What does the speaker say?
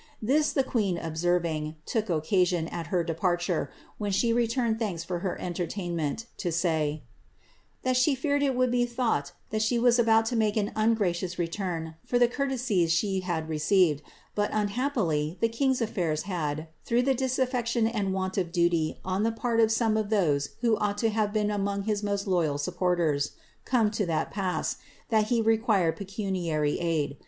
This the queen observing, took occasion, at her departure, when she retunwd thanks for her entertainment, to say, ^ that she feared it would be thought that she was about to make an ungracious return for the courtesies she had received ; but, unhappily, the king's af&irs had (through the dis affection and want of duty on the part of some of those who ought to have been among his most loyal supporters) come to that pass, that he required pecuniary aid.